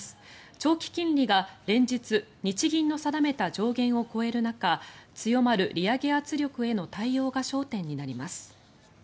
長期金利が連日日銀の定めた上限を超える中強まる利上げ圧力への対応が焦点になります。